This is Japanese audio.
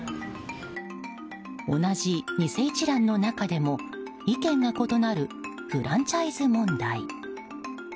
同じ偽一蘭の中でも意見が異なるフランチャイズ問題。